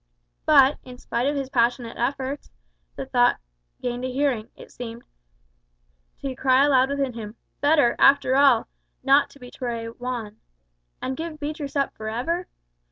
But, in spite of his passionate efforts, the thought gained a hearing, it seemed to cry aloud within him, "Better, after all, not to betray Juan!" "And give up Beatriz forever?